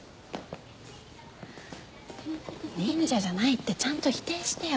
忍者じゃないってちゃんと否定してよ。